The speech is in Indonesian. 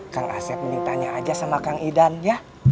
kang asep mending tanya aja sama kang idan ya